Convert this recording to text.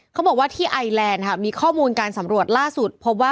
เขาบอกว่าที่ไอแลนด์ค่ะมีข้อมูลการสำรวจล่าสุดพบว่า